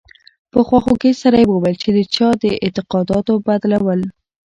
په خواخوږۍ سره یې وویل چې د چا د اعتقاداتو بدلول.